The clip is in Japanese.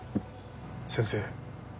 先生